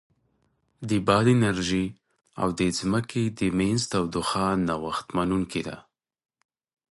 د باد انرژي او د ځمکې د منځ تودوخه نوښت منونکې ده.